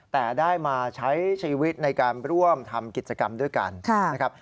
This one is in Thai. แต่ได้มาใช้ชีวิตในการร่วมทำกิจกรรมด้วยกันนะครับ